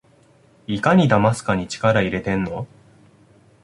いかにだますかに力いれてんの？